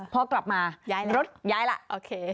พอกลับมารถย้ายแล้ว